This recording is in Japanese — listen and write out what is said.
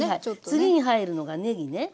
次に入るのがねぎね。